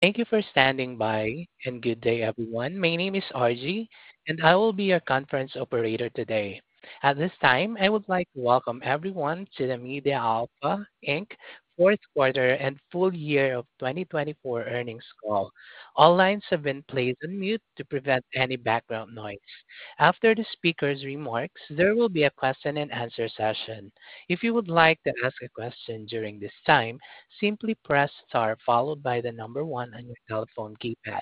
Thank you for standing by, and good day, everyone. My name is RG, and I will be your conference operator today. At this time, I would like to welcome everyone to the MediaAlpha Inc. Q4 and Full Year of 2024 earnings call. All lines have been placed on mute to prevent any background noise. After the speaker's remarks, there will be a question-and-answer session. If you would like to ask a question during this time, simply press star followed by the number one on your telephone keypad.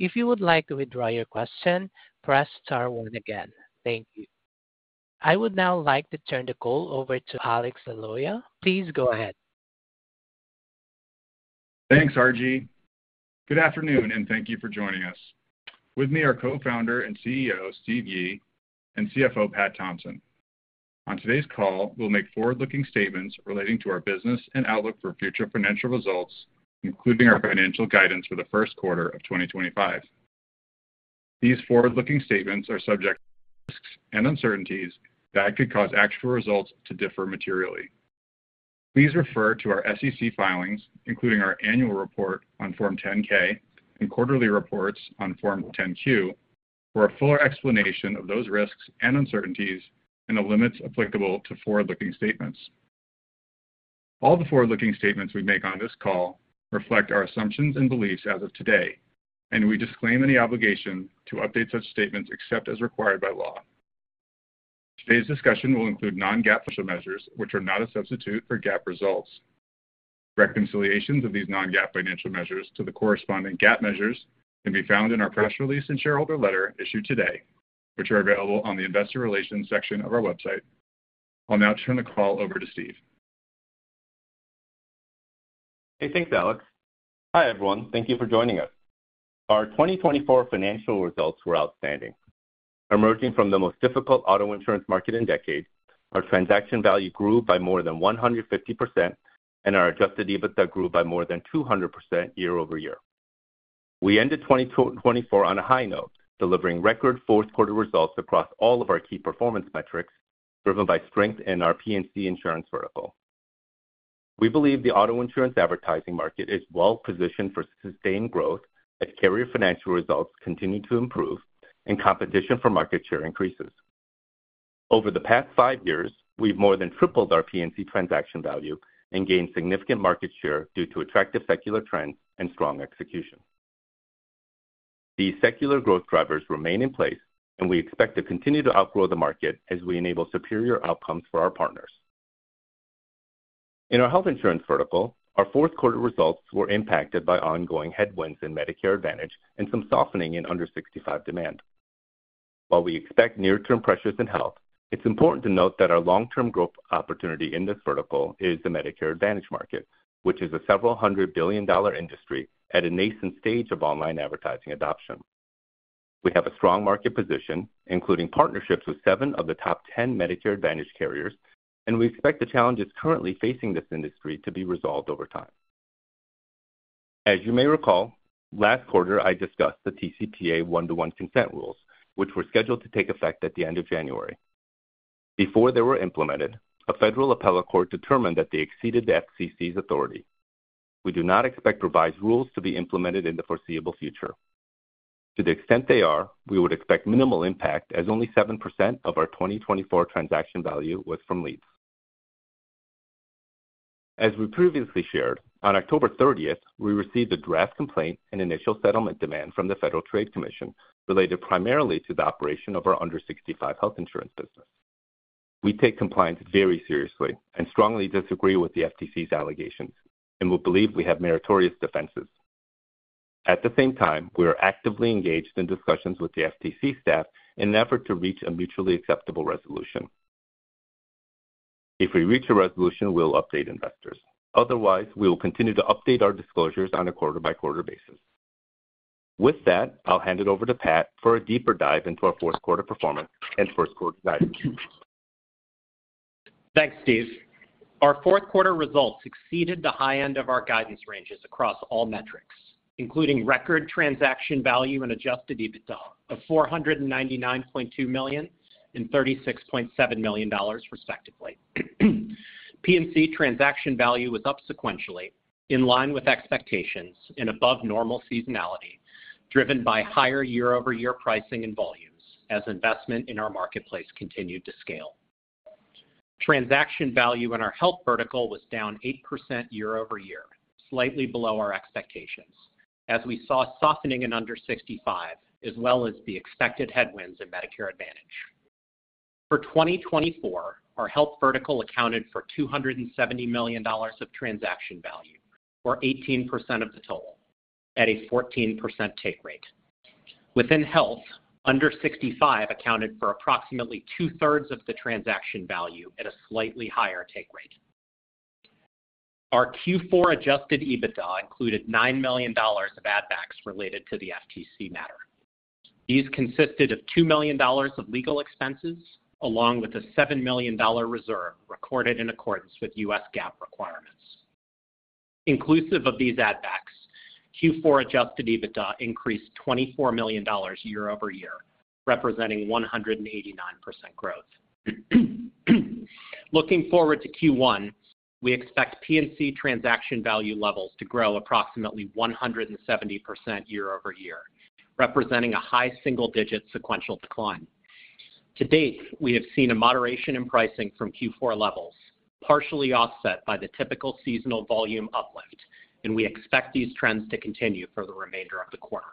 If you would like to withdraw your question, press star one again. Thank you. I would now like to turn the call over to Alex Liloia. Please go ahead. Thanks, RG. Good afternoon, and thank you for joining us. With me are Co-founder and CEO Steve Yi and CFO Pat Thompson. On today's call, we'll make forward-looking statements relating to our business and outlook for future financial results, including our financial guidance for the Q1 of 2025. These forward-looking statements are subject to risks and uncertainties that could cause actual results to differ materially. Please refer to our SEC filings, including our annual report on Form 10-K and quarterly reports on Form 10-Q, for a fuller explanation of those risks and uncertainties and the limits applicable to forward-looking statements. All the forward-looking statements we make on this call reflect our assumptions and beliefs as of today, and we disclaim any obligation to update such statements except as required by law. Today's discussion will include non-GAAP financial measures, which are not a substitute for GAAP results. Reconciliations of these non-GAAP financial measures to the corresponding GAAP measures can be found in our press release and shareholder letter issued today, which are available on the investor relations section of our website. I'll now turn the call over to Steve. Hey, thanks, Alex. Hi, everyone. Thank you for joining us. Our 2024 financial results were outstanding. Emerging from the most difficult auto insurance market in decades, our transaction value grew by more than 150%, and our Adjusted EBITDA grew by more than 200% year-over-year. We ended 2024 on a high note, delivering record Q4 results across all of our key performance metrics, driven by strength in our P&C insurance vertical. We believe the auto insurance advertising market is well-positioned for sustained growth as carrier financial results continue to improve and competition for market share increases. Over the past five years, we've more than tripled our P&C transaction value and gained significant market share due to attractive secular trends and strong execution. These secular growth drivers remain in place, and we expect to continue to outgrow the market as we enable superior outcomes for our partners. In our health insurance vertical, our Q4 results were impacted by ongoing headwinds in Medicare Advantage and some softening in under-65 demand. While we expect near-term pressures in health, it's important to note that our long-term growth opportunity in this vertical is the Medicare Advantage market, which is a several hundred billion dollar industry at a nascent stage of online advertising adoption. We have a strong market position, including partnerships with seven of the top 10 Medicare Advantage carriers, and we expect the challenges currently facing this industry to be resolved over time. As you may recall, last quarter, I discussed the TCPA one-to-one consent rules, which were scheduled to take effect at the end of January. Before they were implemented, a federal appellate court determined that they exceeded the FCC's authority. We do not expect revised rules to be implemented in the foreseeable future. To the extent they are, we would expect minimal impact, as only 7% of our 2024 transaction value was from leads. As we previously shared, on October 30th, we received a draft complaint and initial settlement demand from the Federal Trade Commission related primarily to the operation of our under-65 health insurance business. We take compliance very seriously and strongly disagree with the FTC's allegations and we believe we have meritorious defenses. At the same time, we are actively engaged in discussions with the FTC staff in an effort to reach a mutually acceptable resolution. If we reach a resolution, we'll update investors. Otherwise, we will continue to update our disclosures on a quarter-by-quarter basis. With that, I'll hand it over to Pat for a deeper dive into our Q4 performance and first-quarter guidance. Thanks, Steve. Our Q4 results exceeded the high end of our guidance ranges across all metrics, including record transaction value and Adjusted EBITDA of $499.2 million and $36.7 million, respectively. P&C transaction value was up sequentially, in line with expectations, and above normal seasonality, driven by higher year-over-year pricing and volumes as investment in our marketplace continued to scale. Transaction value in our health vertical was down 8% year-over-year, slightly below our expectations, as we saw softening in under-65, as well as the expected headwinds in Medicare Advantage. For 2024, our health vertical accounted for $270 million of transaction value, or 18% of the total, at a 14% take rate. Within health, under-65 accounted for approximately two-thirds of the transaction value at a slightly higher take rate. Our Q4 Adjusted EBITDA included $9 million of add-backs related to the FTC matter. These consisted of $2 million of legal expenses, along with a $7 million reserve recorded in accordance with U.S. GAAP requirements. Inclusive of these add-backs, Q4 Adjusted EBITDA increased $24 million year-over-year, representing 189% growth. Looking forward to Q1, we expect P&C transaction value levels to grow approximately 170% year-over-year, representing a high single-digit sequential decline. To date, we have seen a moderation in pricing from Q4 levels, partially offset by the typical seasonal volume uplift, and we expect these trends to continue for the remainder of the quarter.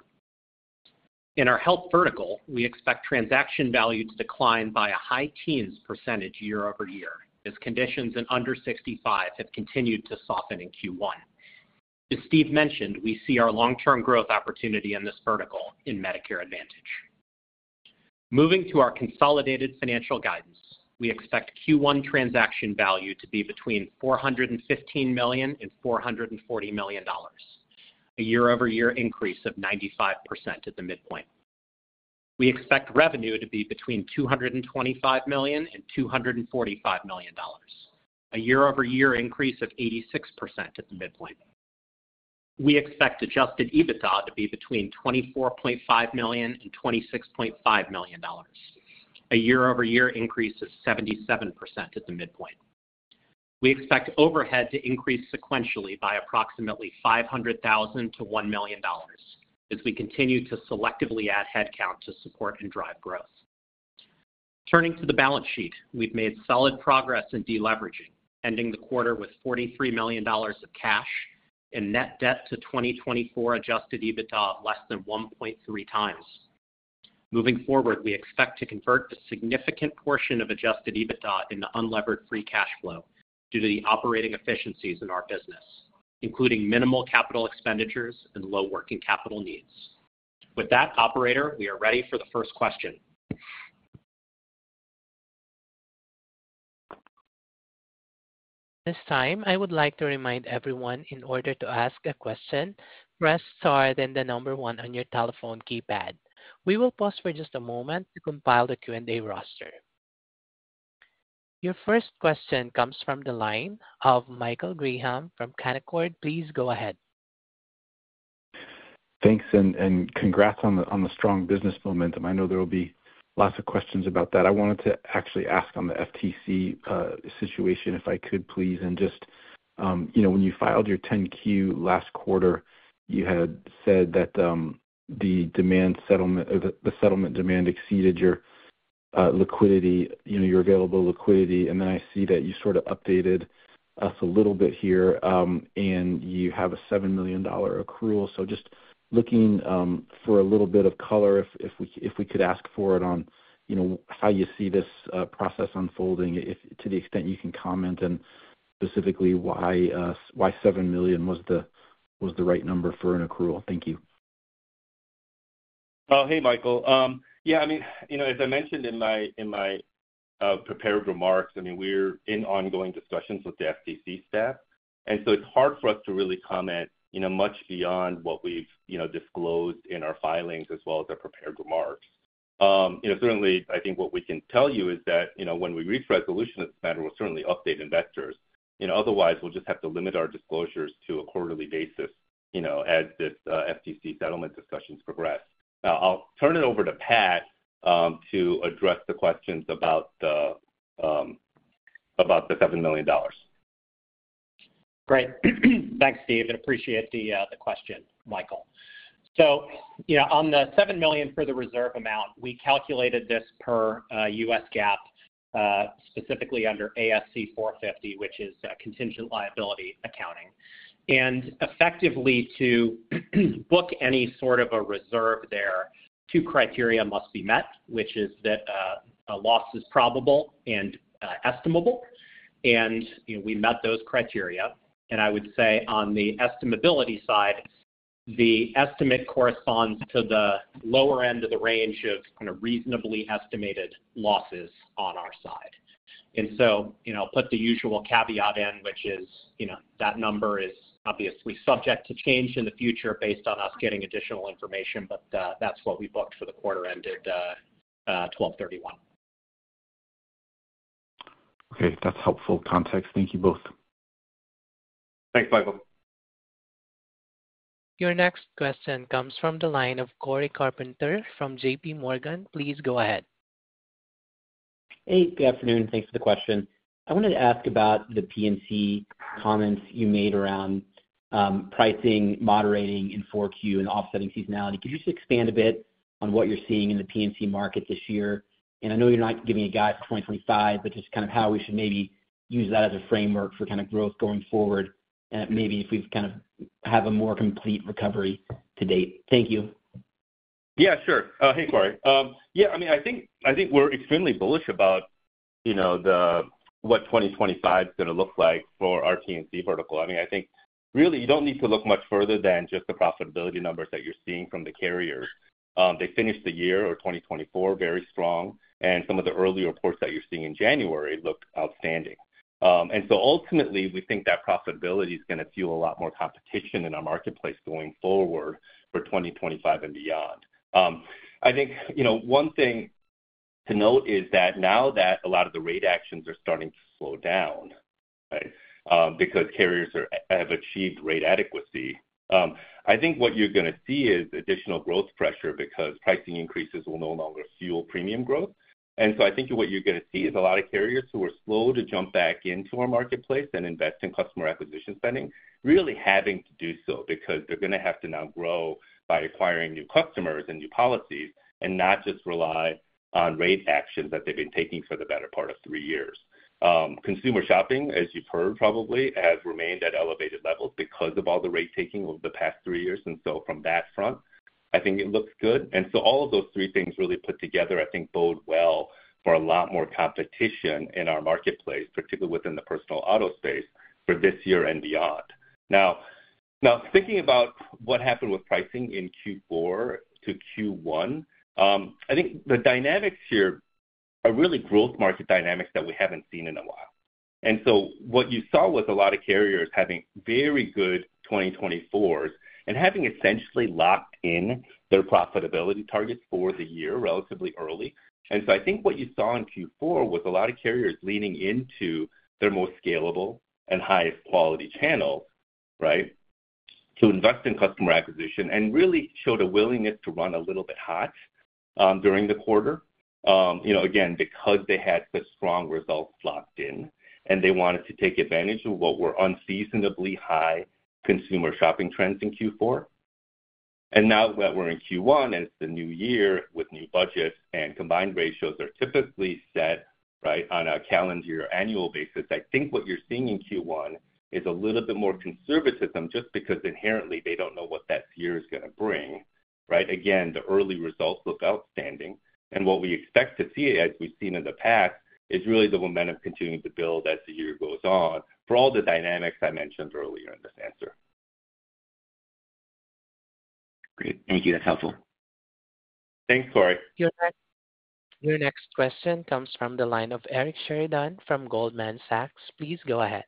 In our health vertical, we expect transaction value to decline by a high teens percentage year-over-year, as conditions in under-65 have continued to soften in Q1. As Steve mentioned, we see our long-term growth opportunity in this vertical in Medicare Advantage. Moving to our consolidated financial guidance, we expect Q1 transaction value to be between $415 million and $440 million, a year-over-year increase of 95% at the midpoint. We expect revenue to be between $225 million and $245 million, a year-over-year increase of 86% at the midpoint. We expect Adjusted EBITDA to be between $24.5 million and $26.5 million, a year-over-year increase of 77% at the midpoint. We expect overhead to increase sequentially by approximately $500,000-$1 million as we continue to selectively add headcount to support and drive growth. Turning to the balance sheet, we've made solid progress in deleveraging, ending the quarter with $43 million of cash and net debt to 2024 Adjusted EBITDA of less than 1.3 times. Moving forward, we expect to convert a significant portion of Adjusted EBITDA into unlevered free cash flow due to the operating efficiencies in our business, including minimal capital expenditures and low working capital needs. With that, operator, we are ready for the first question. This time, I would like to remind everyone, in order to ask a question, press star then the number one on your telephone keypad. We will pause for just a moment to compile the Q&A roster. Your first question comes from the line of Michael Graham from Canaccord. Please go ahead. Thanks, and congrats on the strong business momentum. I know there will be lots of questions about that. I wanted to actually ask on the FTC situation, if I could please, and just, you know, when you filed your 10-Q last quarter, you had said that the demand settlement, the settlement demand exceeded your liquidity, your available liquidity, and then I see that you sort of updated us a little bit here, and you have a $7 million accrual. So just looking for a little bit of color, if we could ask for it on how you see this process unfolding, to the extent you can comment on specifically why $7 million was the right number for an accrual. Thank you. Hey, Michael. Yeah, I mean, you know, as I mentioned in my prepared remarks, I mean, we're in ongoing discussions with the FTC staff, and so it's hard for us to really comment much beyond what we've disclosed in our filings as well as our prepared remarks. Certainly, I think what we can tell you is that when we reach resolution of this matter, we'll certainly update investors. Otherwise, we'll just have to limit our disclosures to a quarterly basis as this FTC settlement discussions progress. Now, I'll turn it over to Pat to address the questions about the $7 million. Great. Thanks, Steve, and appreciate the question, Michael. So, you know, on the $7 million for the reserve amount, we calculated this per U.S. GAAP, specifically under ASC 450, which is contingent liability accounting. And effectively, to book any sort of a reserve there, two criteria must be met, which is that a loss is probable and estimable, and we met those criteria. And I would say on the estimability side, the estimate corresponds to the lower end of the range of kind of reasonably estimated losses on our side. And so, you know, I'll put the usual caveat in, which is, you know, that number is obviously subject to change in the future based on us getting additional information, but that's what we booked for the quarter-ended 12/31. Okay, that's helpful context. Thank you both. Thanks, Michael. Your next question comes from the line of Cory Carpenter from J.P. Morgan. Please go ahead. Hey, good afternoon. Thanks for the question. I wanted to ask about the P&C comments you made around pricing, moderating in 4Q, and offsetting seasonality. Could you just expand a bit on what you're seeing in the P&C market this year? And I know you're not giving a guide for 2025, but just kind of how we should maybe use that as a framework for kind of growth going forward, and maybe if we've kind of have a more complete recovery to date. Thank you. Yeah, sure. Hey, Cory. Yeah, I mean, I think we're extremely bullish about, you know, what 2025 is going to look like for our P&C vertical. I mean, I think really you don't need to look much further than just the profitability numbers that you're seeing from the carriers. They finished the year of 2024 very strong, and some of the early reports that you're seeing in January look outstanding. And so ultimately, we think that profitability is going to fuel a lot more competition in our marketplace going forward for 2025 and beyond. I think, you know, one thing to note is that now that a lot of the rate actions are starting to slow down, right, because carriers have achieved rate adequacy, I think what you're going to see is additional growth pressure because pricing increases will no longer fuel premium growth. And so I think what you're going to see is a lot of carriers who are slow to jump back into our marketplace and invest in customer acquisition spending really having to do so because they're going to have to now grow by acquiring new customers and new policies and not just rely on rate actions that they've been taking for the better part of three years. Consumer shopping, as you've heard probably, has remained at elevated levels because of all the rate taking over the past three years. And so from that front, I think it looks good. And so all of those three things really put together, I think, bode well for a lot more competition in our marketplace, particularly within the personal auto space for this year and beyond. Now, thinking about what happened with pricing in Q4-Q1, I think the dynamics here are really growth market dynamics that we haven't seen in a while. And so what you saw was a lot of carriers having very good 2024s and having essentially locked in their profitability targets for the year relatively early. And so I think what you saw in Q4 was a lot of carriers leaning into their most scalable and highest quality channels, right, to invest in customer acquisition and really showed a willingness to run a little bit hot during the quarter, you know, again, because they had the strong results locked in and they wanted to take advantage of what were unseasonably high consumer shopping trends in Q4. Now that we're in Q1 and it's the new year with new budgets and combined ratios are typically set, right, on a calendar or annual basis, I think what you're seeing in Q1 is a little bit more conservatism just because inherently they don't know what that year is going to bring, right? Again, the early results look outstanding, and what we expect to see, as we've seen in the past, is really the momentum continuing to build as the year goes on for all the dynamics I mentioned earlier in this answer. Great. Thank you. That's helpful. Thanks, Corey. Your next question comes from the line of Eric Sheridan from Goldman Sachs. Please go ahead.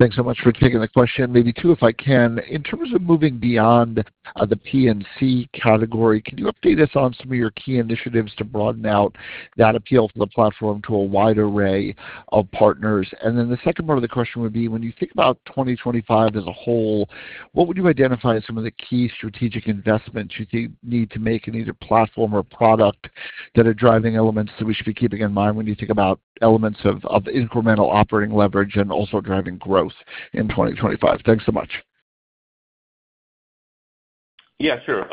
Thanks so much for taking the question. Maybe two, if I can. In terms of moving beyond the P&C category, could you update us on some of your key initiatives to broaden out that appeal for the platform to a wide array of partners? And then the second part of the question would be, when you think about 2025 as a whole, what would you identify as some of the key strategic investments you think need to make in either platform or product that are driving elements that we should be keeping in mind when you think about elements of incremental operating leverage and also driving growth in 2025? Thanks so much. Yeah, sure.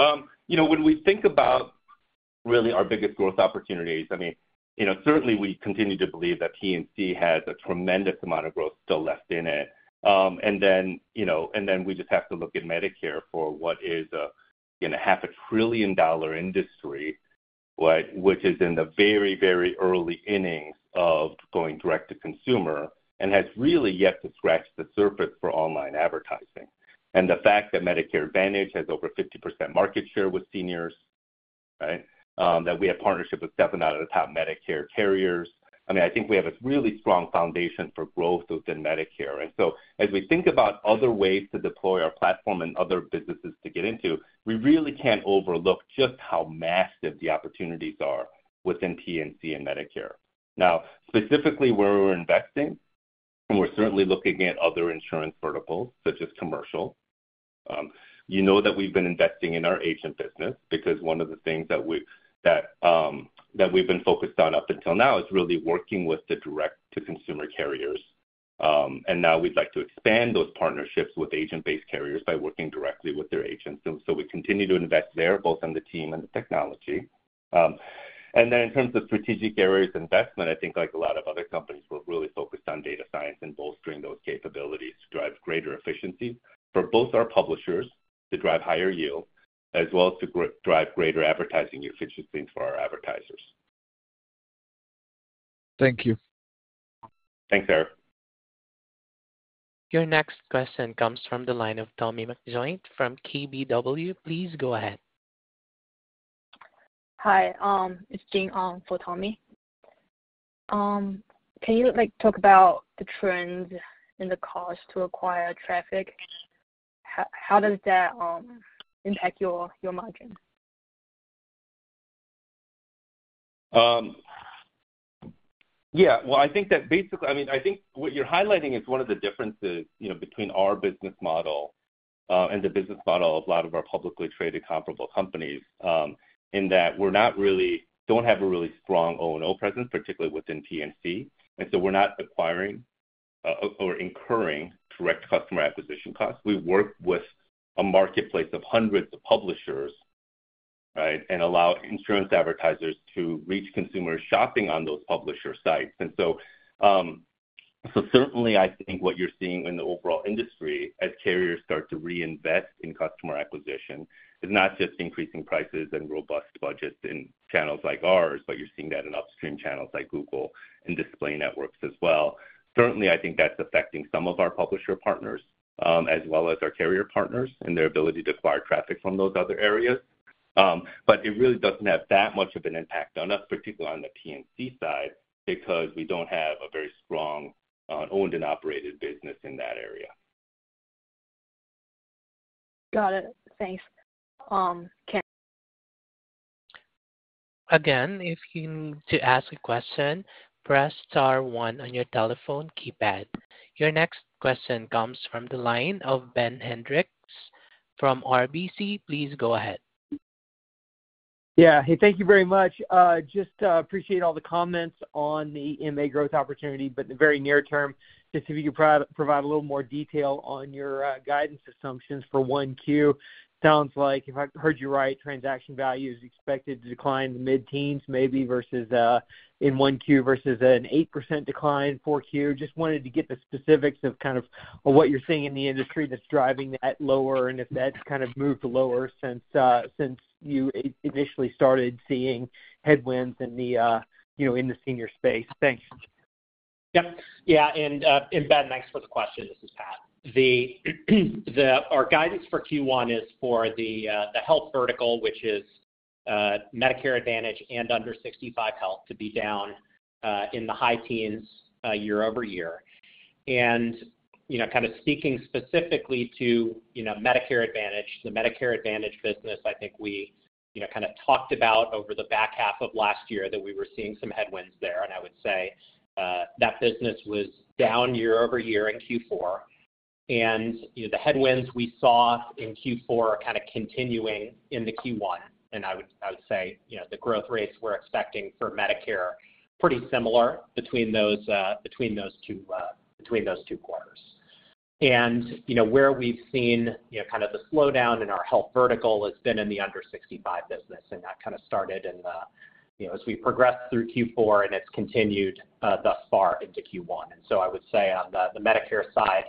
You know, when we think about really our biggest growth opportunities, I mean, you know, certainly we continue to believe that P&C has a tremendous amount of growth still left in it. And then, you know, and then we just have to look at Medicare for what is a, again, a $500 billion industry, right, which is in the very, very early innings of going direct to consumer and has really yet to scratch the surface for online advertising. And the fact that Medicare Advantage has over 50% market share with seniors, right, that we have partnership with seven out of the top Medicare carriers, I mean, I think we have a really strong foundation for growth within Medicare. And so as we think about other ways to deploy our platform and other businesses to get into, we really can't overlook just how massive the opportunities are within P&C and Medicare. Now, specifically where we're investing, we're certainly looking at other insurance verticals such as commercial. You know that we've been investing in our agent business because one of the things that we've been focused on up until now is really working with the direct-to-consumer carriers. And now we'd like to expand those partnerships with agent-based carriers by working directly with their agents. And so we continue to invest there, both on the team and the technology. And then, in terms of strategic areas of investment, I think, like a lot of other companies, we're really focused on data science and bolstering those capabilities to drive greater efficiencies for both our publishers to drive higher yield, as well as to drive greater advertising efficiencies for our advertisers. Thank you. Thanks, Eric. Your next question comes from the line of Thomas McJoynt from KBW. Please go ahead. Hi, it's Jing for Tom. Can you like talk about the trends in the cost to acquire traffic? How does that impact your margin? Yeah, well, I think that basically, I mean, I think what you're highlighting is one of the differences, you know, between our business model and the business model of a lot of our publicly traded comparable companies in that we're not really, don't have a really strong O&O presence, particularly within P&C, and so we're not acquiring or incurring direct customer acquisition costs. We work with a marketplace of hundreds of publishers, right, and allow insurance advertisers to reach consumers shopping on those publisher sites, and so certainly, I think what you're seeing in the overall industry as carriers start to reinvest in customer acquisition is not just increasing prices and robust budgets in channels like ours, but you're seeing that in upstream channels like Google and display networks as well. Certainly, I think that's affecting some of our publisher partners as well as our carrier partners and their ability to acquire traffic from those other areas. But it really doesn't have that much of an impact on us, particularly on the P&C side, because we don't have a very strong owned and operated business in that area. Got it. Thanks. Again, if you need to ask a question, press star one on your telephone keypad. Your next question comes from the line of Ben Hendrix from RBC. Please go ahead. Yeah, hey, thank you very much. Just appreciate all the comments on the MA growth opportunity, but in the very near term, just if you could provide a little more detail on your guidance assumptions for 1Q. Sounds like, if I heard you right, transaction value is expected to decline in the mid-teens maybe versus in 1Q versus an 8% decline in 4Q. Just wanted to get the specifics of kind of what you're seeing in the industry that's driving that lower and if that's kind of moved lower since you initially started seeing headwinds in the, you know, in the senior space. Thanks. Yep. Yeah. And Ben, thanks for the question. This is Pat. The guidance for Q1 is for the health vertical, which is Medicare Advantage and under-65 health to be down in the high teens year-over-year. And, you know, kind of speaking specifically to, you know, Medicare Advantage, the Medicare Advantage business, I think we, you know, kind of talked about over the back half of last year that we were seeing some headwinds there. And I would say that business was down year-over-year in Q4. And, you know, the headwinds we saw in Q4 are kind of continuing in the Q1. And I would say, you know, the growth rates we're expecting for Medicare are pretty similar between those two, between those two quarters. You know, where we've seen, you know, kind of the slowdown in our health vertical has been in the under 65 business. And that kind of started in the, you know, as we progressed through Q4 and it's continued thus far into Q1. And so I would say on the Medicare side,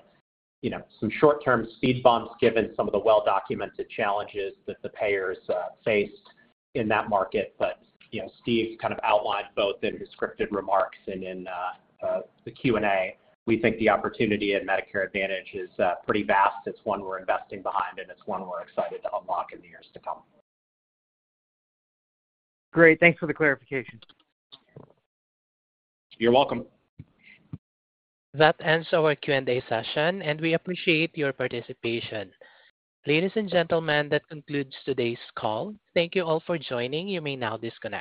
you know, some short-term speed bumps given some of the well-documented challenges that the payers faced in that market. But, you know, Steve kind of outlined both in his scripted remarks and in the Q&A. We think the opportunity in Medicare Advantage is pretty vast. It's one we're investing behind, and it's one we're excited to unlock in the years to come. Great. Thanks for the clarification. You're welcome. That ends our Q&A session, and we appreciate your participation. Ladies and gentlemen, that concludes today's call. Thank you all for joining. You may now disconnect.